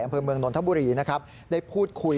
อำเภอเมืองนนทบุรีนะครับได้พูดคุย